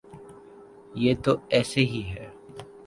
یہ تو ایسے ہی ہے۔